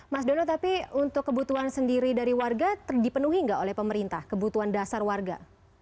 mas dono tapi untuk kebutuhan sendiri dari warga dipenuhi nggak oleh pemerintah kebutuhan dasar warga